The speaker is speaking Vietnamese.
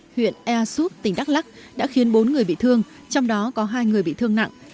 huyện easuk tỉnh đắk lắc đã khiến bốn người bị thương trong đó có hai người bị thương nặng